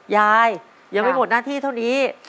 ยายยังไม่หมดหน้าที่เท่านี้